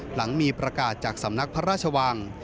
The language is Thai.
หลังมีประกาศจากสำนักพระราชวัง